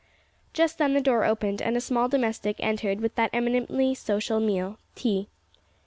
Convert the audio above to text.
Just then the door opened, and a small domestic entered with that eminently sociable meal, tea.